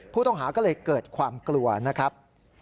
ผู้ต้องหาก็เลยเกิดความกลัวนะครับ